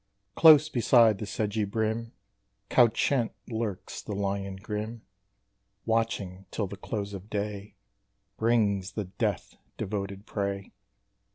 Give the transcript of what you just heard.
Close beside the sedgy brim Couchant lurks the lion grim; Watching till the close of day Brings the death devoted prey.